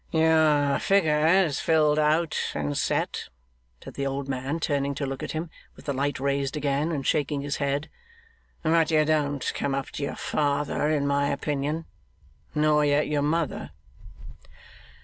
'Your figure is filled out, and set,' said the old man, turning to look at him with the light raised again, and shaking his head; 'but you don't come up to your father in my opinion. Nor yet your mother.